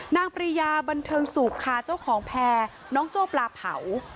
ปริยาบันเทิงสุกค่ะเจ้าของแพร่น้องโจ้ปลาเผา